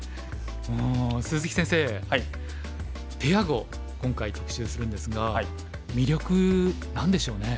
鈴木先生ペア碁今回特集するんですが魅力何でしょうね。